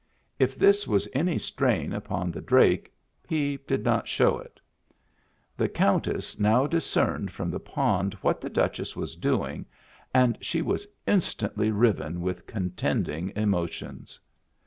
If this was any strain upon the drake, he did not show it. The Countess now discerned from the pond what the Duchess was doing and she was instantly riven with contending emotions.